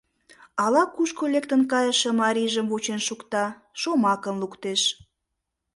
Ала-кушко лектын кайыше марийжым вучен шукта, шомакым луктеш: